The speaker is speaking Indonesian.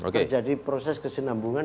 terjadi proses kesenambungan